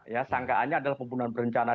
ya sangkaannya adalah pembunuhan berencana